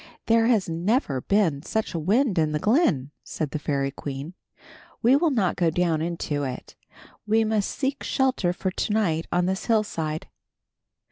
"There has never been such a wind in the glen," said the fairy queen. "We will not go down into it. We must seek shelter for to night on this hillside."